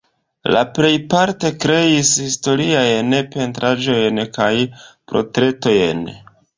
Li plejparte kreis historiajn pentraĵojn kaj portretojn.